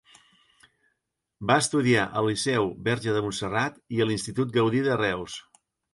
Va estudiar al Liceu Verge de Montserrat i a l'Institut Gaudí de Reus.